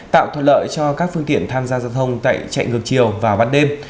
tạo thuận lợi cho các phương tiện tham gia giao thông tại chạy ngược chiều vào ban đêm